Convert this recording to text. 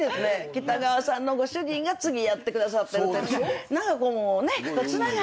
北川さんのご主人が次やってくださってるってつながって。